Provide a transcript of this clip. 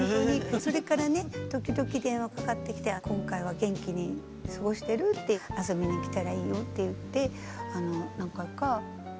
それからね時々電話かかってきて「今回は元気に過ごしてる？」って「遊びに来たらいいよ」って言って何回か泊めてもらったこともある。